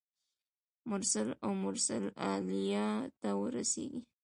مرسل او مرسل الیه ته رسیږي.